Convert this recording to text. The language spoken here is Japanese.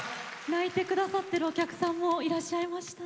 泣いて下さってるお客さんもいらっしゃいましたね。